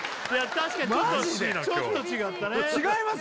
確かにちょっと違ったね違います？